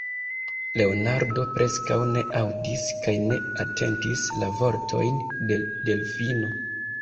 Leonardo preskaŭ ne aŭdis kaj ne atentis la vortojn de Delfino.